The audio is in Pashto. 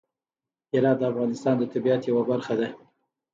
هرات د افغانستان د طبیعت یوه برخه ده.